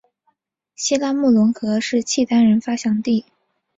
西拉木伦河是契丹人发祥地。